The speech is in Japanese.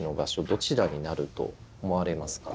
どちらになると思われますか？